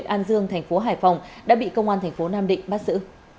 an dương thành phố hải phòng đã bị công an thành phố nam định bắt giữ